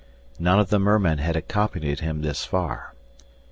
None of the mermen had accompanied him this far.